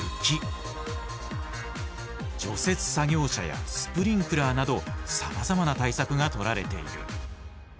除雪作業車やスプリンクラーなどさまざまな対策が取られている。